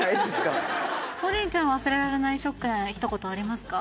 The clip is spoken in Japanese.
ＰＯＲＩＮちゃん忘れられないショックなひと言ありますか？